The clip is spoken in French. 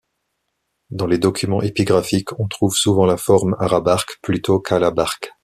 Dans les documents épigraphiques on trouve souvent la forme arabarque plutôt qu'alabarque.